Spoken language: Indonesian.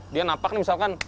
dia napak nih misalkan